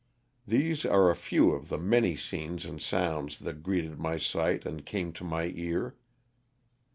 These are a few of the many scenes and sounds that greeted my sight and came to my ear.